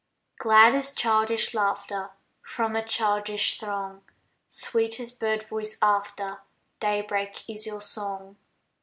Glad as childish laughter From a childish throng, Sweet as bird voice after Daybreak is your song.